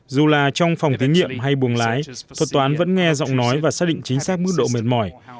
dù là trong phòng tiến nhiệm hay buồng lái thuật toán vẫn nghe giọng nói và xác định chính xác mức độ mệt mỏi